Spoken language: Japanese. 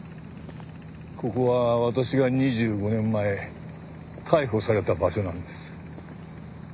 ここは私が２５年前逮捕された場所なんです。